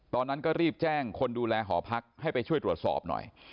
ตอนนั้นก็รีบแจ้งคนดูแลหอพักให้ไปช่วยตรวจสอบหน่อย